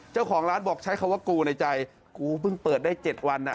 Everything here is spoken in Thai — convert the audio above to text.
เจ้าของร้านบอกใช้คำว่ากูในใจกูเพิ่งเปิดได้๗วัน